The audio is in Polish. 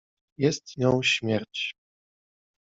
"Jest nią śmierć."